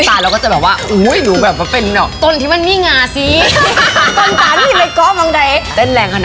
จะแปลกนะแม่อยู่บ้านอยู่นิดนึง